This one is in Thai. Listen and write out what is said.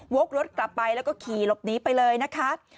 วกรถตับไปแล้วก็ขี่รถนี้ไปเลยนะครับ